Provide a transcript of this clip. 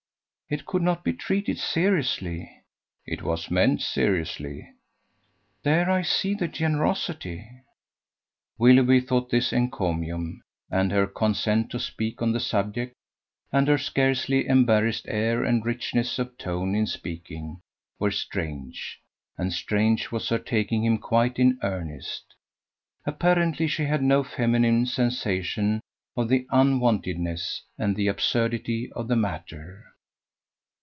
"It could not be treated seriously." "It was meant seriously." "There I see the generosity." Willoughby thought this encomium, and her consent to speak on the subject, and her scarcely embarrassed air and richness of tone in speaking, very strange: and strange was her taking him quite in earnest. Apparently she had no feminine sensation of the unwontedness and the absurdity of the matter!